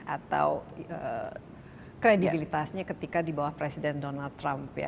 atau kredibilitasnya ketika di bawah presiden donald trump ya